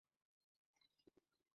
সবাই বাড়ি যাও!